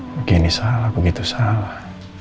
begini salah begitu salah